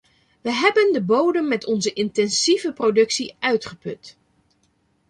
We hebben de bodem met onze intensieve productie uitgeput.